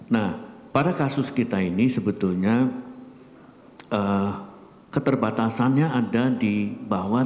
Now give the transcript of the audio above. nah pada kasus kita ini sebetulnya keterbatasannya ada di bawah